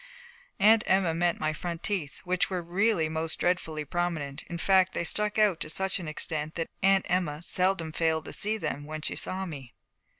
Aunt Emma meant my front teeth, which were really most dreadfully prominent: in fact they stuck out to such an extent that Aunt Emma seldom failed to see them when she saw me.